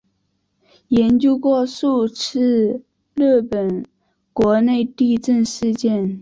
研究过数次日本国内地震事件。